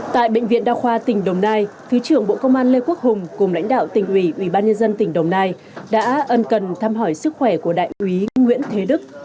tại bệnh viện đa khoa tỉnh đồng nai thứ trưởng bộ công an lê quốc hùng cùng lãnh đạo tỉnh ủy ủy ban nhân dân tỉnh đồng nai đã ân cần thăm hỏi sức khỏe của đại úy nguyễn thế đức